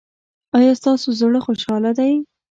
ایا ستاسو زړه خوشحاله دی؟